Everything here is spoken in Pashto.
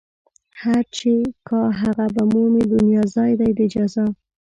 هر چې کا هغه به مومي دنيا ځای دئ د جزا